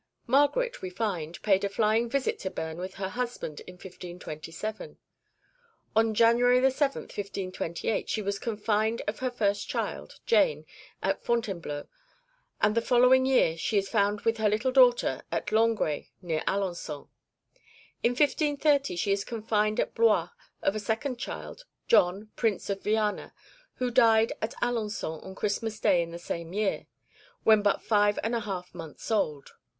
Margaret, we find, paid a flying visit to Beam with her husband in 1527; on January 7th, 1528, she was confined of her first child, Jane, at Fontainebleau, and the following year she is found with her little daughter at Longray, near Alençon. In 1530 she is confined at Blois of a second child, John, Prince of Viana, who died at Alençon on Christmas Day in the same year, when but five and a half months old.